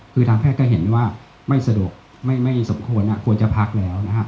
คือทางแพทย์ก็เห็นว่าไม่สะดวกไม่สมควรควรจะพักแล้วนะฮะ